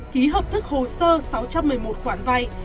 ký hợp thức hồ sơ sáu trăm một mươi một khoản vay